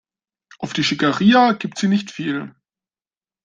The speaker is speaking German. Auf die Schickeria gibt sie nicht viel.